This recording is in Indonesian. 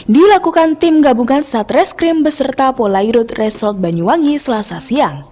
dilakukan tim gabungan satreskrim beserta polairut resort banyuwangi selasa siang